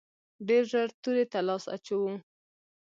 ډېر ژر تورې ته لاس اچوو.